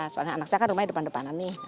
soalnya anak saya kan rumahnya depan depanan nih